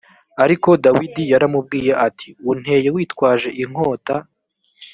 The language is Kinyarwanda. ariko dawidi yaramubwiye ati unteye witwaje inkota